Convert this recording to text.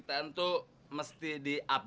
tunggu nanti kita coba